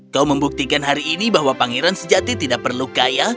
kau membuktikan hari ini bahwa pangeran sejati tidak perlu kaya